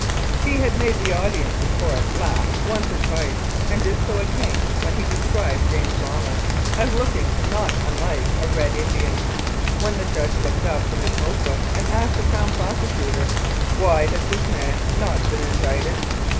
He had made the audience in Court laugh once or twice, and did so again when he described James Ronald as looking not unlike a Red Indian, when the judge looked up from his note book and asked the Crown Prosecutor, "Why has this man not been in dicted?"